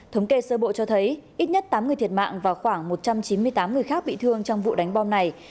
thống kê sơ bộ cho thấy ít nhất tám người thiệt mạng và khoảng một trăm chín mươi tám người khác bị thương trong vụ đánh bom này